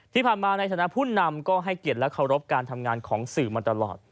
ที่ผ่านมาในฐานะพุ่นนำก็ให้เกียรติและเคารพการทำงานของสื่อมาตลอด